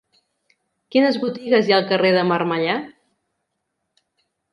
Quines botigues hi ha al carrer de Marmellà?